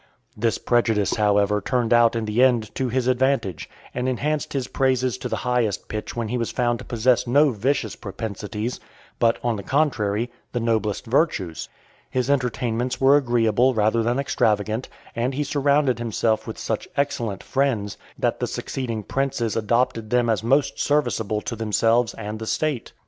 This prejudice, however, turned out in the end to his advantage, and enhanced his praises to the highest pitch when he was found to possess no vicious propensities, but, on the contrary, the noblest virtues. His entertainments were agreeable rather than extravagant; and he surrounded himself with such excellent friends, that the succeeding princes adopted them as most serviceable to themselves and the state.